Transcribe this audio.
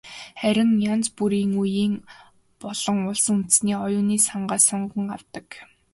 Харин янз бүрийн үеийн болон улс үндэстний оюуны сангаас сонгон авдаг.